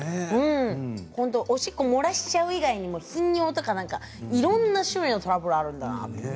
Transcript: おしっこを漏らしちゃう以外にも頻尿とか、なんかいろんな種類のトラブルがあるんだなと。